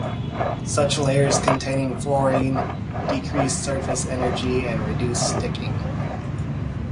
Such layers containing fluorine decrease surface energy and reduce sticking.